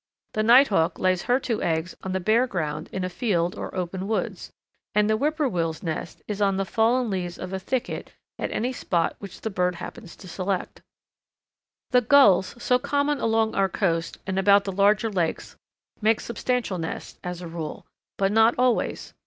The Nighthawk lays her two eggs on the bare ground in a field or open woods; and the Whip poor will's nest is on the fallen leaves of a thicket at any spot which the bird happens to select. The Gulls so common along our coast and about the larger lakes make substantial nests, as a rule but not always.